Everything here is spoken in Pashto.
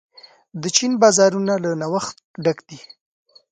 د چین بازارونه له نوښت ډک دي.